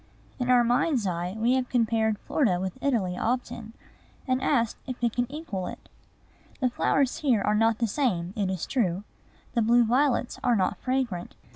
In our mind's eye we have compared Florida with Italy often, and asked if it can equal it. The flowers here are not the same, it is true. The blue violets are not fragrant.